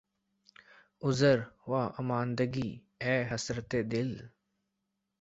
عذر واماندگی، اے حسرتِ دل!